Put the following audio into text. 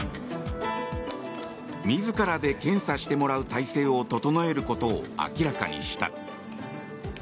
自らで検査してもらう体制を整えることを明らかにした。